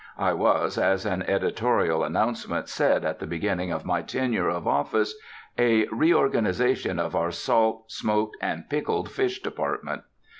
I was, as an editorial announcement said at the beginning of my tenure of office, a "reorganization of our salt, smoked, and pickled fish department."